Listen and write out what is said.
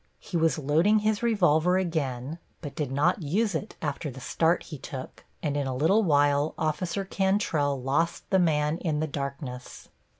He was loading his revolver again, but did not use it after the start he took, and in a little while Officer Cantrell lost the man in the darkness.